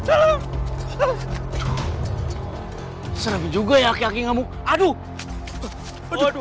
aduh serem juga ya kaki kaki kamu aduh